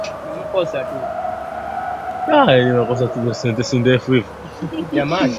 jarida la tarehe ishirini na moja mwezi wa nane mwaka elfu mbili na nane